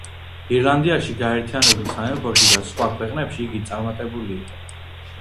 ირლანდიაში, გაერთიანებულ სამეფოში და სხვა ქვეყნებში იგი წარმატებული იყო.